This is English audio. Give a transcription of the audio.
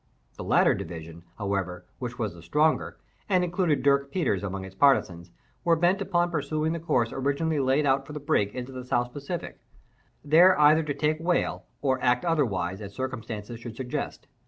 The latter division, however, which was the stronger, and included Dirk Peters among its partisans, were bent upon pursuing the course originally laid out for the brig into the South Pacific; there either to take whale, or act otherwise, as circumstances should suggest.